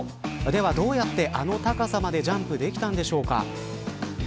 では、どうやってあの高さまでジャンプできたんでしょうか。